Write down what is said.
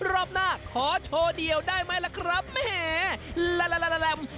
รอบหน้าขอโชว์เดียวได้ไหมแหล่มเลย